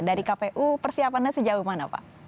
dari kpu persiapannya sejauh mana pak